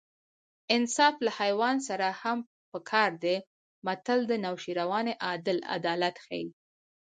انصاف له حیوان سره هم په کار دی متل د نوشیروان عادل عدالت ښيي